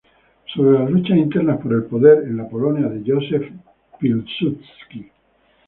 Sobre las luchas internas por el poder en la Polonia de Józef Pilsudski.